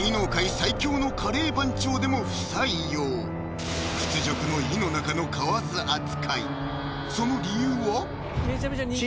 最強のカレー番長でも不採用屈辱の井の中の蛙扱いその理由は？